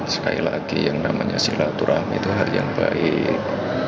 sekali lagi yang namanya silaturahmi itu hari yang baik